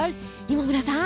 今村さん